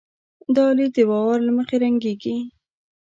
دا لید د باور له مخې رنګېږي.